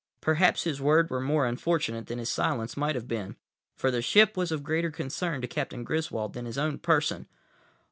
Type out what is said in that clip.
Perhaps his words were more unfortunate than his silence might have been; for the ship was of greater concern to Captain Griswold than his own person.